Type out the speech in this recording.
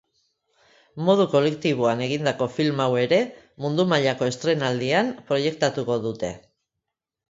Modu kolektiboan egindako film hau ere mundu mailako estreinaldian proiektatuko dute.